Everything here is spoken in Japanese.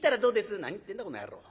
「何言ってんだこの野郎。